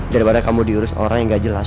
daripada kamu diurus orang yang gak jelas